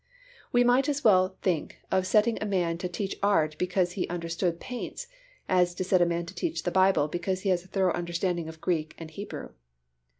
We might as well think of setting a man to teach art because he understood paints as to set a man to teach the Bible because he has a thorough understanding of Greek and Hebrew.